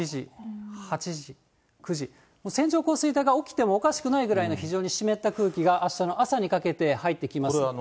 線状降水帯が起きてもおかしくないぐらいの非常に湿った空気が、あしたの朝にかけて入ってきます。